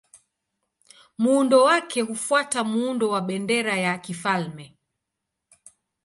Muundo wake hufuata muundo wa bendera ya kifalme.